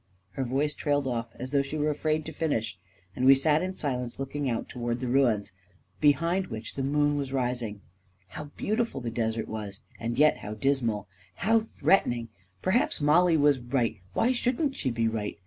." Her voice trailed off as though she were afraid to finish, and we sat in silence, looking out toward the ruins, behind which the moon was rising. How beautiful the desert was — and yet how dismal — how threatening! Perhaps Mollie was right — A KING IN BABYLON 285 why shouldn't she be right?